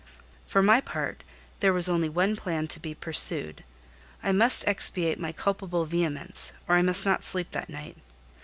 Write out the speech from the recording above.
For my part, there was only one plan to be pursued; I must expiate my culpable vehemence, or I must not sleep that night.